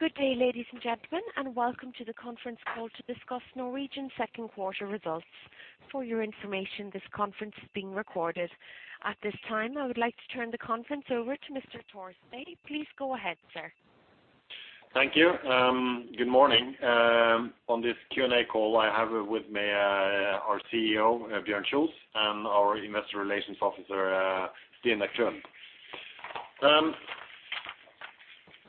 Good day, ladies and gentlemen, and welcome to the conference call to discuss Norwegian second quarter results. For your information, this conference is being recorded. At this time, I would like to turn the conference over to Mr. Tore Østby. Please go ahead, sir. Thank you. Good morning. On this Q&A call, I have with me our CEO, Bjørn Kjos, and our Investor Relations Officer, Stine Klund.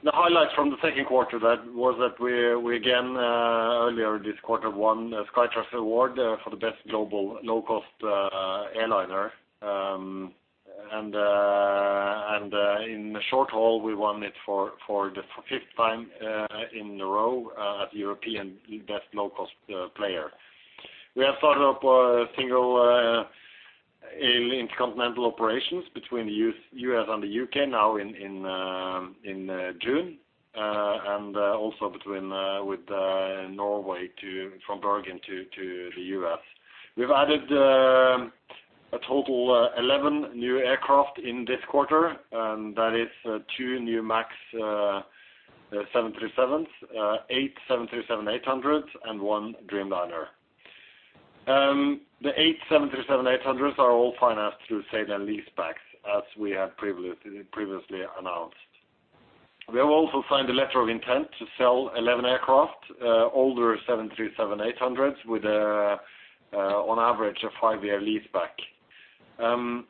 The highlights from the second quarter was that we again, earlier this quarter, won the Skytrax award for the best global low-cost airliner. In the short haul, we won it for the fifth time in a row as European best low cost player. We have started up single intercontinental operations between the U.S. and the U.K. now in June, and also with Norway from Bergen to the U.S. We've added a total 11 new aircraft in this quarter, and that is two new MAX 737s, eight 737-800s, and one Dreamliner. The eight 737-800s are all financed through sale-and-leasebacks as we have previously announced. We have also signed a letter of intent to sell 11 aircraft, older 737-800s, with on average a five-year leaseback.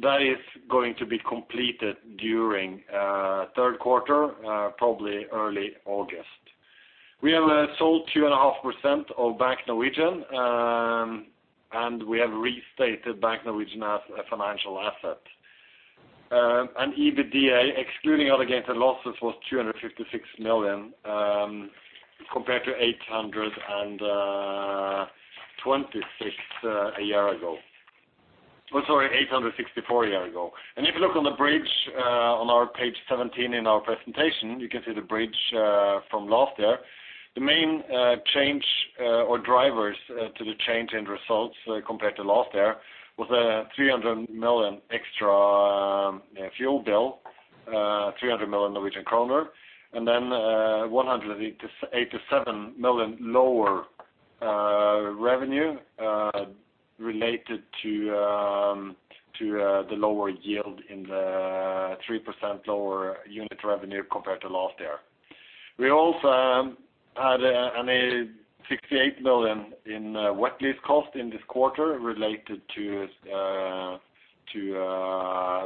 That is going to be completed during third quarter, probably early August. We have sold 2.5% of Bank Norwegian, we have restated Bank Norwegian as a financial asset. EBITDA, excluding other gains and losses, was 256 million, compared to 826 a year ago. 864 a year ago. If you look on the bridge on our page 17 in our presentation, you can see the bridge from last year. The main change or drivers to the change in results compared to last year was a 300 million extra fuel bill, 300 million Norwegian kroner, 187 million lower revenue related to the lower yield in the 3% lower unit revenue compared to last year. We also had a 68 million in wet lease cost in this quarter related to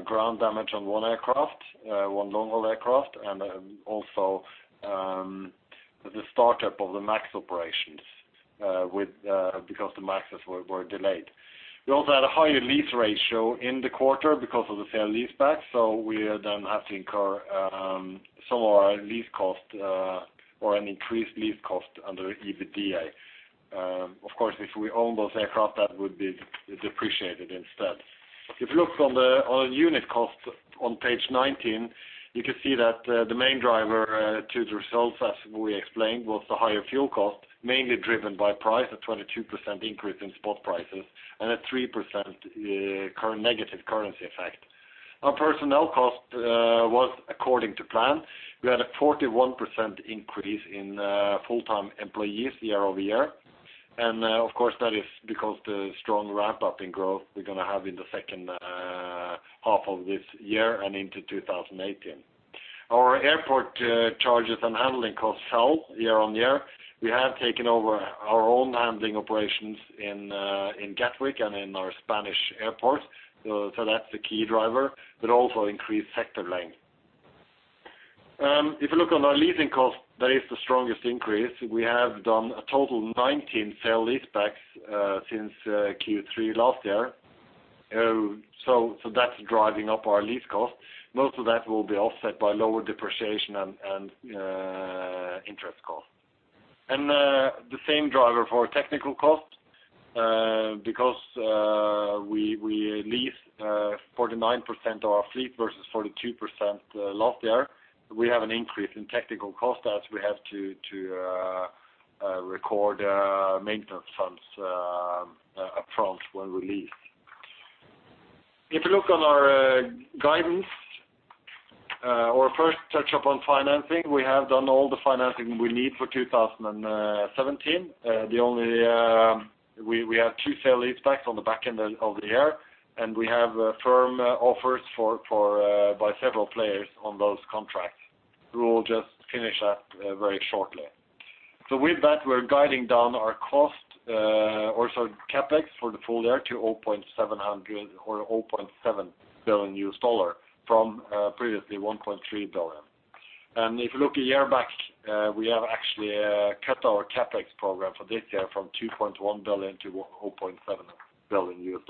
ground damage on one aircraft, one long-haul aircraft, and also the startup of the MAX operations because the MAXes were delayed. We also had a higher lease ratio in the quarter because of the sale leaseback, so we then have to incur some of our lease cost or an increased lease cost under EBITDA. Of course, if we own those aircraft, that would be depreciated instead. If you look on the unit cost on page 19, you can see that the main driver to the results, as we explained, was the higher fuel cost, mainly driven by price, a 22% increase in spot prices and a 3% negative currency effect. Our personnel cost was according to plan. We had a 41% increase in full-time employees year-over-year. Of course, that is because the strong ramp-up in growth we're going to have in the second half of this year and into 2018. Our airport charges and handling costs fell year-on-year. We have taken over our own handling operations in Gatwick and in our Spanish airport. That's the key driver, but also increased sector length. If you look on our leasing cost, that is the strongest increase. We have done a total 19 sale-and-leasebacks since Q3 last year. That's driving up our lease cost. Most of that will be offset by lower depreciation and interest cost. The same driver for technical cost, because we lease 49% of our fleet versus 42% last year. We have an increase in technical cost as we have to record maintenance funds up front when we lease. If you look on our guidance, our first touch-up on financing, we have done all the financing we need for 2017. We have 2 sale-and-leasebacks on the back end of the year, and we have firm offers by several players on those contracts. We will just finish that very shortly. With that, we're guiding down our cost or so CapEx for the full year to $0.7 billion from previously $1.3 billion. If you look a year back, we have actually cut our CapEx program for this year from $2.1 billion to $0.7 billion.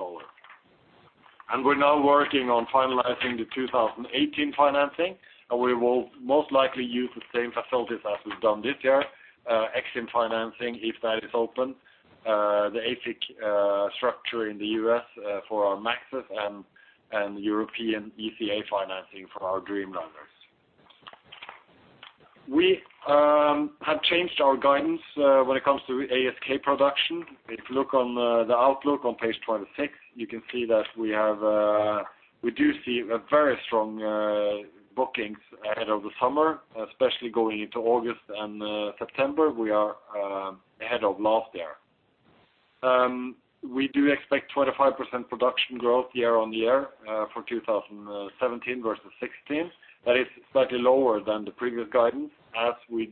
We're now working on finalizing the 2018 financing, and we will most likely use the same facilities as we've done this year. Ex-Im financing, if that is open, the AFIC structure in the U.S. for our MAXes and European ECA financing for our Dreamliners. We have changed our guidance when it comes to ASK production. If you look on the outlook on page 26, you can see that we do see very strong bookings ahead of the summer, especially going into August and September. We are ahead of last year. We do expect 25% production growth year-on-year for 2017 versus 2016. That is slightly lower than the previous guidance, as we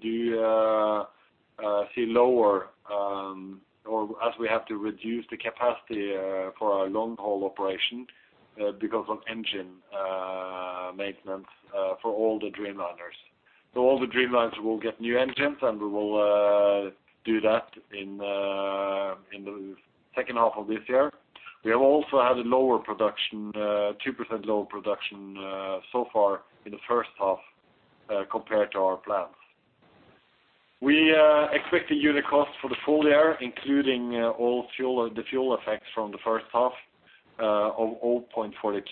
have to reduce the capacity for our long-haul operation because of engine maintenance for all the Dreamliners. All the Dreamliners will get new engines, and we will do that in the second half of this year. We have also had a 2% lower production so far in the first half compared to our plans. We expect the unit cost for the full year, including all the fuel effects from the first half of 0.42.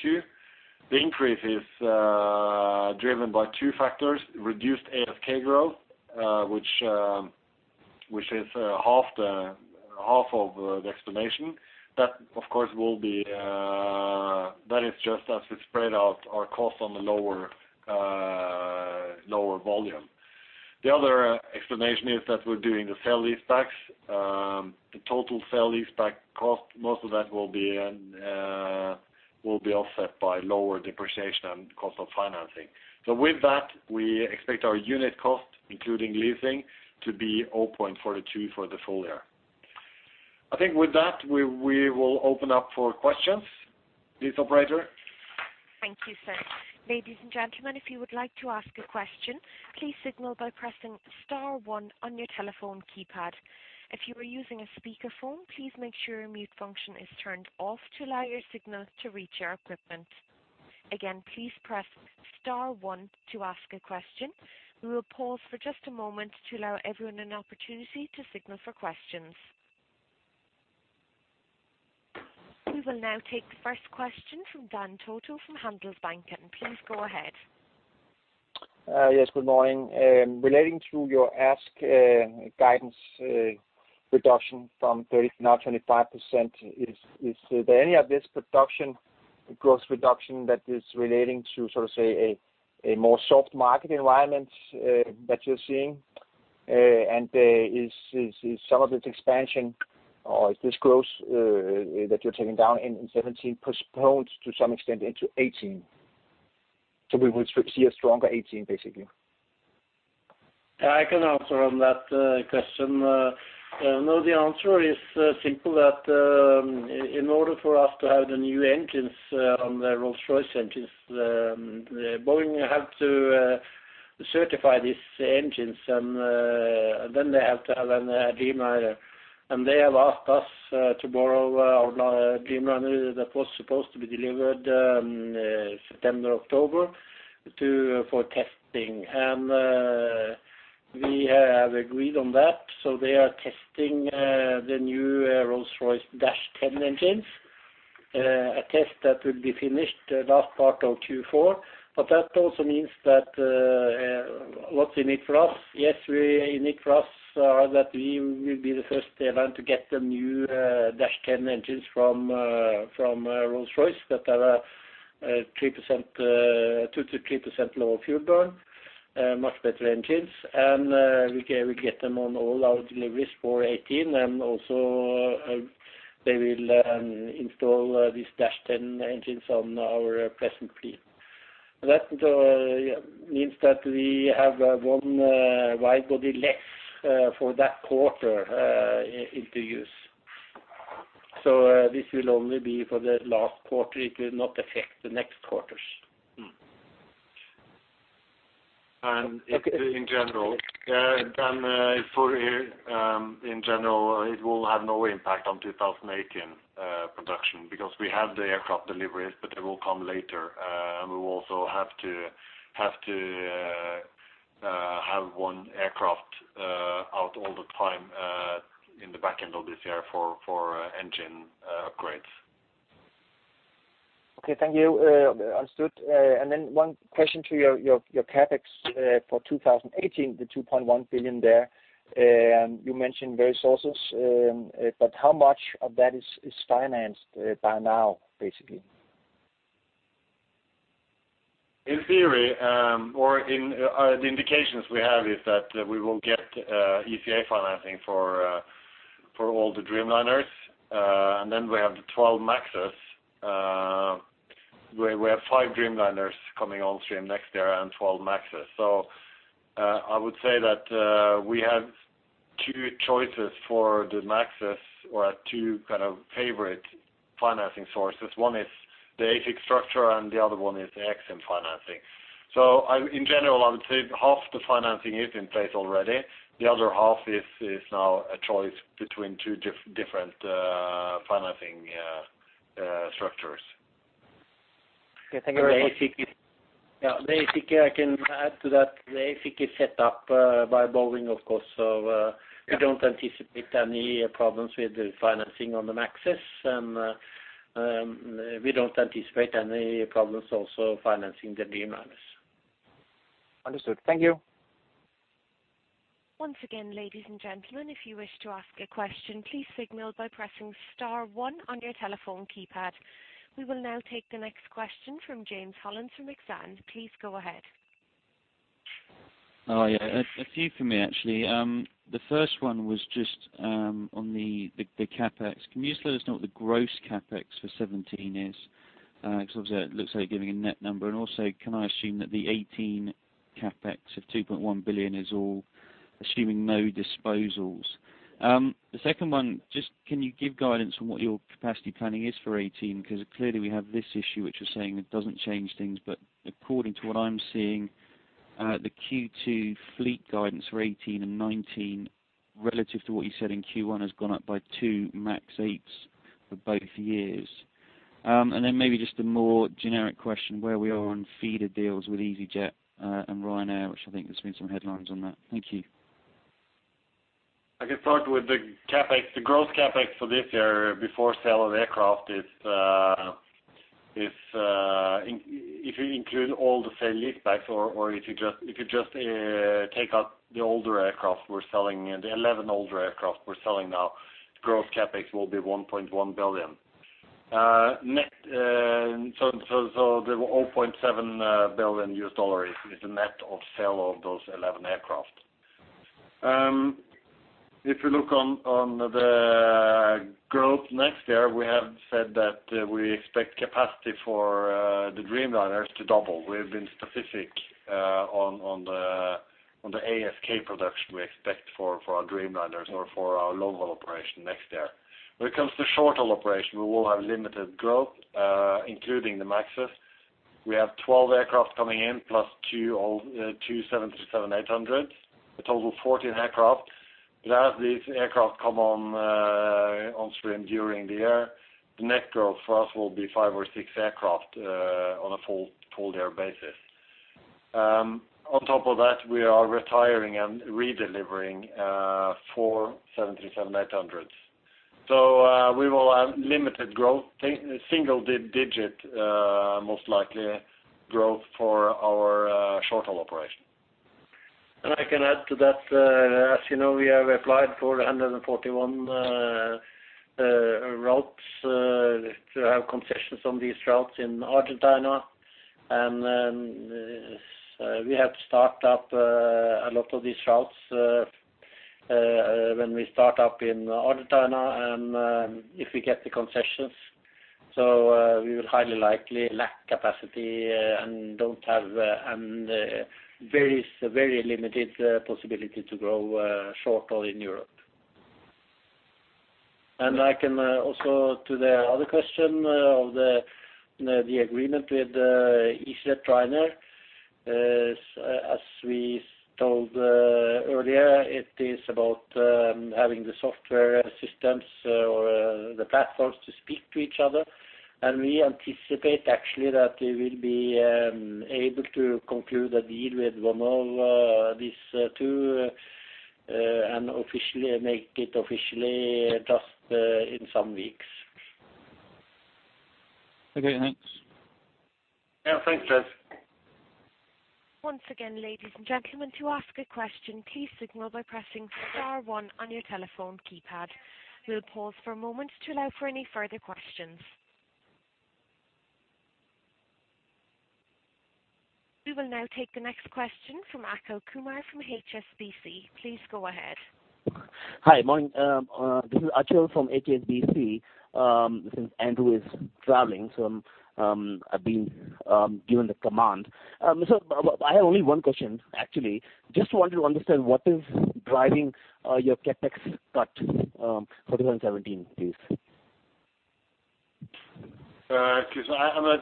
The increase is driven by two factors: reduced ASK growth, which is half of the explanation. That is just as we spread out our cost on the lower volume. The other explanation is that we're doing the sale-and-leasebacks. The total sale-and-leaseback cost, most of that will be offset by lower depreciation and cost of financing. With that, we expect our unit cost, including leasing, to be 0.42 for the full year. I think with that, we will open up for questions. Please, operator. Thank you, sir. Ladies and gentlemen, if you would like to ask a question, please signal by pressing star one on your telephone keypad. If you are using a speakerphone, please make sure your mute function is turned off to allow your signal to reach our equipment. Again, please press star one to ask a question. We will pause for just a moment to allow everyone an opportunity to signal for questions. We will now take the first question from Dan Toto from Handelsbanken. Please go ahead. Yes, good morning. Relating to your ASK guidance reduction from 30% now 25%, is there any of this production growth reduction that is relating to a more soft market environment that you're seeing? Is some of its expansion, or is this growth that you're taking down in 2017 postponed to some extent into 2018? We would see a stronger 2018, basically. I can answer on that question. No, the answer is simple, that in order for us to have the new engines on the Rolls-Royce engines, Boeing have to certify these engines, and then they have to have a Dreamliner. They have asked us to borrow our Dreamliner that was supposed to be delivered September, October for testing. We have agreed on that. They are testing the new Rolls-Royce -10 engines, a test that will be finished last part of Q4. That also means that what's in it for us? Yes, in it for us are that we will be the first airline to get the new -10 engines from Rolls-Royce that are 2%-3% lower fuel burn, much better engines. We get them on all our deliveries for 2018, and also they will install these -10 engines on our present fleet. That means that we have one wide body less for that quarter into use. This will only be for the last quarter. It will not affect the next quarters. Okay. In general, Dan, in general, it will have no impact on 2018 production because we have the aircraft deliveries, but they will come later. We will also have to have one aircraft out all the time in the back end of this year for engine upgrades. Okay, thank you. Understood. One question to your CapEx for 2018, the 2.1 billion there. You mentioned various sources. How much of that is financed by now, basically? In theory or in the indications we have, is that we will get ECA financing for all the Dreamliners. We have the 12 MAXs. We have five Dreamliners coming on stream next year and 12 MAXs. I would say that we have two choices for the MAXs or two kind of favorite financing sources. One is the AFIC structure, and the other one is the EXIM financing. In general, I would say half the financing is in place already. The other half is now a choice between two different financing structures. Okay. Thank you very much. The AFIC- Yeah, the AFIC, I can add to that. The AFIC is set up by Boeing, of course. We don't anticipate any problems with the financing on the MAXes, and we don't anticipate any problems also financing the Dreamliners. Understood. Thank you. Once again, ladies and gentlemen, if you wish to ask a question, please signal by pressing star one on your telephone keypad. We will now take the next question from James Hollins from Exane. Please go ahead. Oh, yeah. A few from me, actually. The first one was just on the CapEx. Can you just let us know what the gross CapEx for 2017 is? Obviously it looks like you're giving a net number. Also, can I assume that the 2018 CapEx of 2.1 billion is all assuming no disposals? The second one, just can you give guidance on what your capacity planning is for 2018? Clearly we have this issue, which you're saying it doesn't change things, but according to what I'm seeing, the Q2 fleet guidance for 2018 and 2019 relative to what you said in Q1 has gone up by two MAX 8s for both years. Then maybe just a more generic question, where we are on feeder deals with easyJet and Ryanair, which I think there's been some headlines on that. Thank you. I can start with the CapEx. The gross CapEx for this year before sale of aircraft, if you include all the sale-and-leasebacks or if you just take out the older aircraft we're selling, the 11 older aircraft we're selling now, gross CapEx will be $1.1 billion. The $0.7 billion U.S. dollar is the net of sale of those 11 aircraft. If you look on the growth next year, we have said that we expect capacity for the Dreamliners to double. We've been specific on the ASK production we expect for our Dreamliners or for our long-haul operation next year. When it comes to short-haul operation, we will have limited growth, including the MAXes. We have 12 aircraft coming in, plus two 737-800s, a total of 14 aircraft. As these aircraft come onstream during the year, the net growth for us will be five or six aircraft on a full year basis. On top of that, we are retiring and redelivering four 737-800s. We will have limited growth, single-digit most likely growth for our short-haul operation. I can add to that. As you know, we have applied for 141 routes to have concessions on these routes in Argentina. We have to start up a lot of these routes when we start up in Argentina and if we get the concessions. We will highly likely lack capacity and have very limited possibility to grow short-haul in Europe. I can also, to the other question of the agreement with easyJet and Ryanair, as we told earlier, it is about having the software systems or the platforms to speak to each other. We anticipate actually that we will be able to conclude a deal with one of these two and make it officially just in some weeks. Okay, thanks. Yeah, thanks, James. Once again, ladies and gentlemen, to ask a question, please signal by pressing star one on your telephone keypad. We will pause for a moment to allow for any further questions. We will now take the next question from Achal Kumar from HSBC. Please go ahead. Hi, morning. This is Achal from HSBC, since Andrew is traveling, I've been given the command. I have only one question, actually. Just wanted to understand what is driving your CapEx cut for 2017, please. Excuse me, I'm not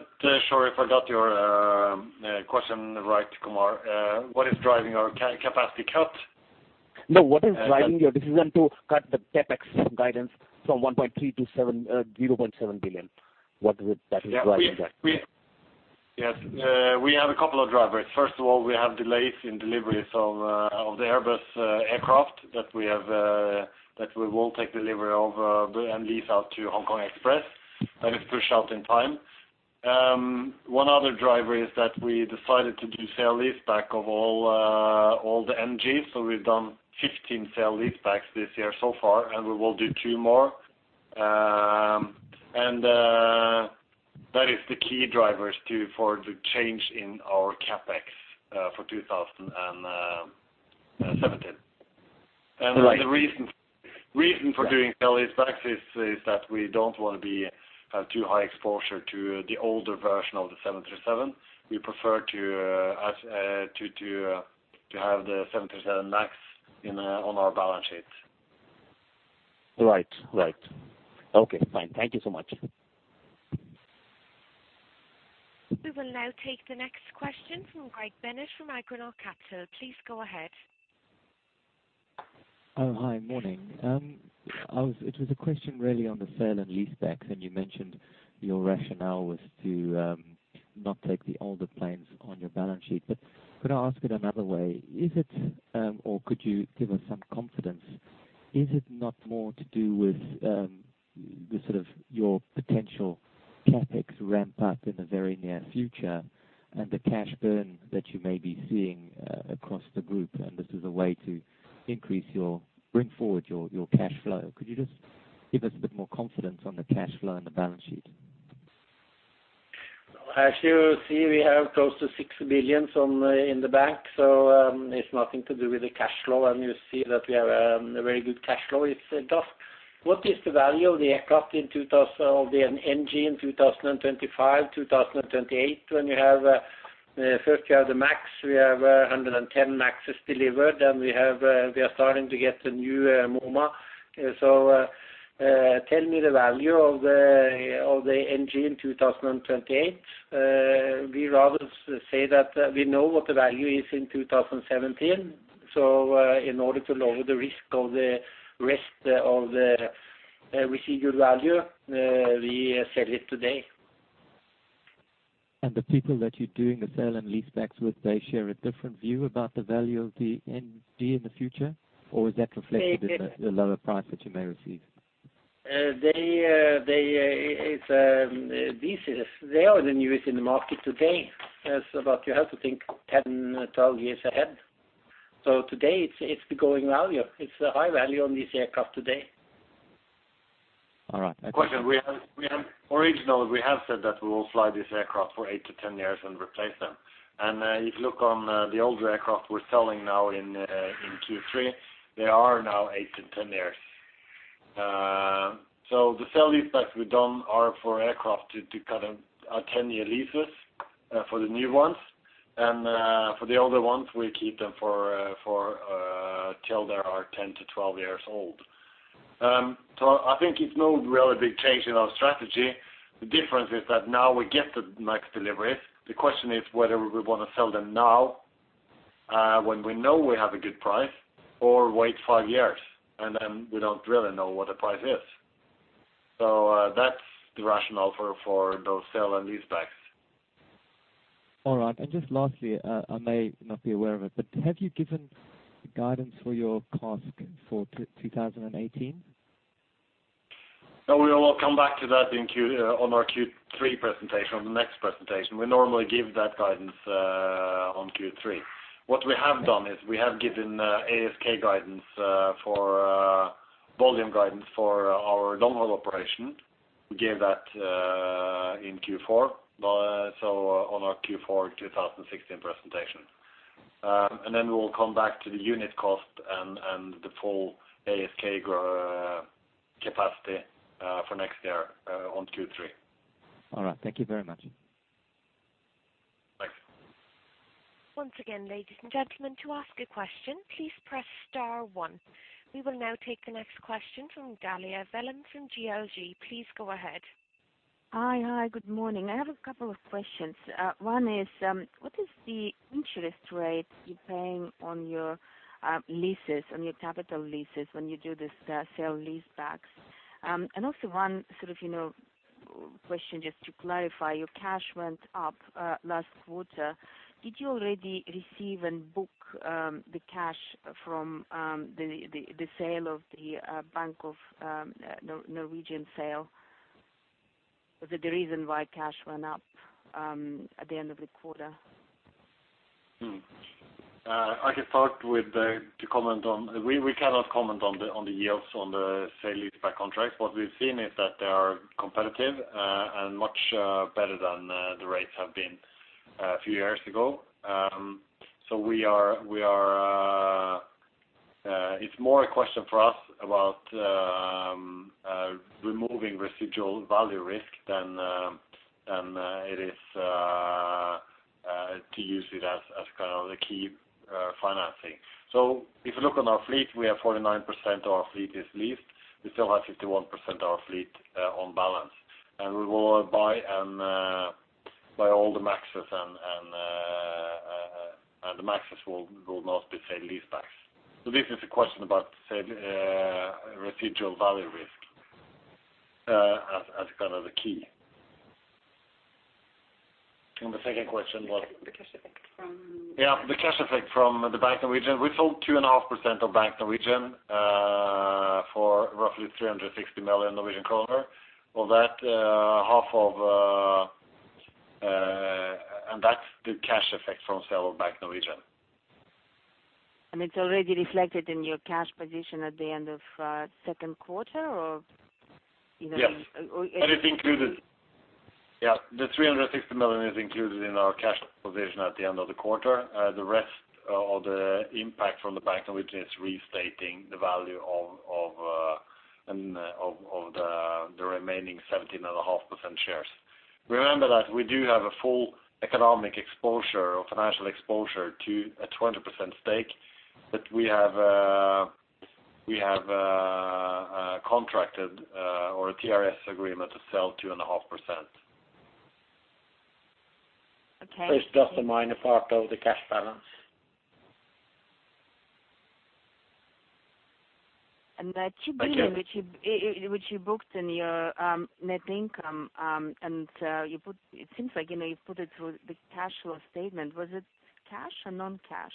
sure if I got your question right, Kumar. What is driving our capacity cut? No, what is driving your decision to cut the CapEx guidance from $1.3 billion to $0.7 billion? What is it that is driving that? Yes. We have a couple of drivers. First of all, we have delays in deliveries of the Airbus aircraft that we will take delivery of and lease out to Hong Kong Express. That is pushed out in time. One other driver is that we decided to do sale-leaseback of all the NG. We've done 15 sale-leasebacks this year so far, and we will do two more. That is the key drivers for the change in our CapEx for 2017. Right. The reason for doing sale-leasebacks is that we don't want to have too high exposure to the older version of the 737. We prefer to have the 737 MAX on our balance sheet. Right. Okay, fine. Thank you so much. We will now take the next question from [Craig Bennett] from [Agonau Capital] Please go ahead. Oh, hi. Morning. It was a question really on the sale and leasebacks, and you mentioned your rationale was to not take the older planes on your balance sheet. Could I ask it another way? Could you give us some confidence, is it not more to do with your potential CapEx ramp up in the very near future and the cash burn that you may be seeing across the group, and this is a way to bring forward your cash flow? Could you just give us a bit more confidence on the cash flow and the balance sheet? You see, we have close to 6 billion in the bank. It's nothing to do with the cash flow. You see that we have a very good cash flow. It's just what is the value of the aircraft, of the engine in 2025, 2028, when first you have the MAX. We have 110 MAXs delivered, and we are starting to get the new. [inaudible] Tell me the value of the engine in 2028. We'd rather say that we know what the value is in 2017. In order to lower the risk of the residual value, we sell it today. The people that you're doing the sale-and-leasebacks with, they share a different view about the value of the engine in the future? Is that reflected in the lower price that you may receive? They are the newest in the market today. You have to think 10, 12 years ahead. Today, it's the going value. It's a high value on these aircraft today. All right. Originally, we have said that we will fly this aircraft for eight to 10 years and replace them. If you look on the older aircraft we're selling now in Q3, they are now eight to 10 years. The sale-and-leasebacks we've done are for aircraft to 10-year leases for the new ones. For the older ones, we keep them till they are 10 to 12 years old. I think it's no really big change in our strategy. The difference is that now we get the MAX deliveries. The question is whether we want to sell them now, when we know we have a good price, or wait five years, and then we don't really know what the price is. That's the rationale for those sale-and-leasebacks. All right. Just lastly, I may not be aware of it, have you given guidance for your CASK for 2018? No, we will come back to that on our Q3 presentation, on the next presentation. We normally give that guidance on Q3. What we have done is we have given ASK guidance for volume guidance for our long-haul operation. We gave that in Q4, on our Q4 2016 presentation. We will come back to the unit cost and the full ASK capacity for next year on Q3. All right. Thank you very much. Thanks. Once again, ladies and gentlemen, to ask a question, please press star one. We will now take the next question from Dalia Vellan from GLG. Please go ahead. Hi. Good morning. I have a couple of questions. One is, what is the interest rate you're paying on your leases, on your capital leases when you do this sale-and-leasebacks? Also one question just to clarify, your cash went up last quarter. Did you already receive and book the cash from the sale of the Bank Norwegian sale? Was it the reason why cash went up at the end of the quarter? I can start with the comment on, we cannot comment on the yields on the sale-and-leaseback contracts. What we've seen is that they are competitive and much better than the rates have been a few years ago. It's more a question for us about removing residual value risk than it is to use it as the key financing. If you look on our fleet, we have 49% of our fleet is leased. We still have 51% of our fleet on balance. We will buy all the MAXes and the MAXes will not be sale-and-leasebacks. This is a question about sale residual value risk as the key. The second question was? The cash effect from Yeah, the cash effect from the Bank Norwegian. We sold 2.5% of Bank Norwegian for roughly NOK 360 million. That's the cash effect from sale of Bank Norwegian. It's already reflected in your cash position at the end of second quarter, or? Yes. It's included. Yeah. The 360 million is included in our cash position at the end of the quarter. The rest of the impact from the Bank Norwegian is restating the value of the remaining 17.5% shares. Remember that we do have a full economic exposure or financial exposure to a 20% stake, but we have contracted or a TRS agreement to sell 2.5%. Okay. It's not a minor part of the cash balance. That NOK 2 billion which you booked in your net income, it seems like you put it through the cash flow statement. Was it cash or non-cash?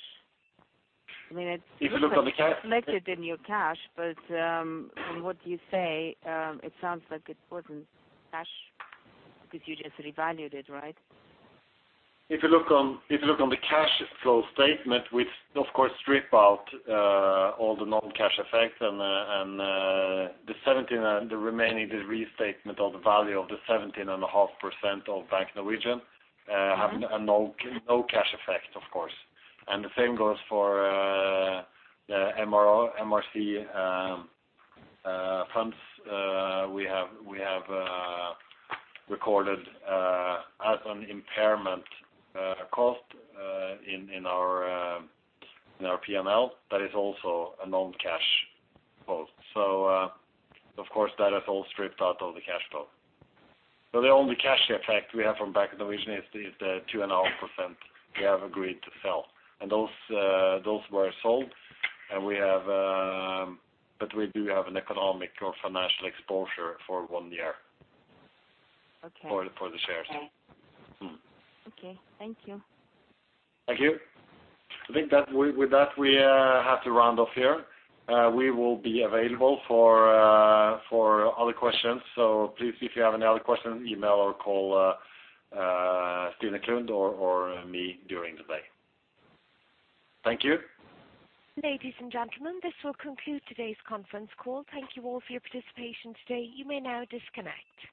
If you look on the cash- It's reflected in your cash, but from what you say, it sounds like it wasn't cash because you just revalued it, right? If you look on the cash flow statement, which of course strip out all the non-cash effects and the restatement of the value of the 17.5% of Bank Norwegian have no cash effect, of course. The same goes for MRC funds, we have recorded as an impairment cost in our P&L. That is also a non-cash cost. Of course, that is all stripped out of the cash flow. The only cash effect we have from Bank Norwegian is the 2.5% we have agreed to sell. Those were sold, but we do have an economic or financial exposure for one year. Okay. For the shares. Okay. Thank you. Thank you. I think with that, we have to round off here. We will be available for other questions. Please, if you have any other question, email or call Stine Klund or me during the day. Thank you. Ladies and gentlemen, this will conclude today's conference call. Thank you all for your participation today. You may now disconnect.